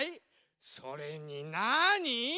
それになに？